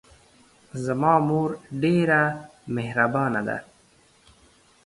زما مور ډېره محربانه ده